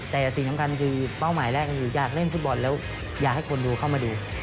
แต่สิ่งสำคัญคือเป้าหมายแรกคืออยากเล่นฟุตบอลแล้วอยากให้คนดูเข้ามาดู